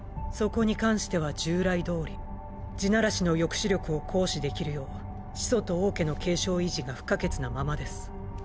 そこに関しては従来どおり「地鳴らし」の抑止力を行使できるよう始祖と王家の継承維持が不可欠なままです。